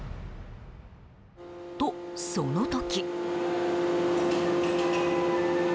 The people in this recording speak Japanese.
と、その時。